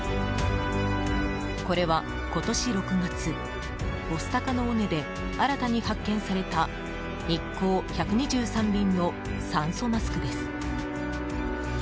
これは今年６月御巣鷹の尾根で新たに発見された日航１２３便の酸素マスクです。